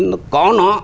nó có nó